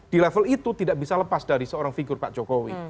di level itu tidak bisa lepas dari seorang figur pak jokowi